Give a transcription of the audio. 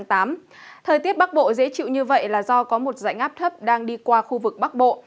thời tiết bắc bộ dễ chịu như vậy là do có một dạnh áp thấp đang đi qua khu vực bắc bộ